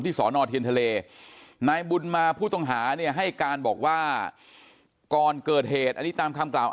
สอนอเทียนทะเลนายบุญมาผู้ต้องหาเนี่ยให้การบอกว่าก่อนเกิดเหตุอันนี้ตามคำกล่าว